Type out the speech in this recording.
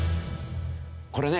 これね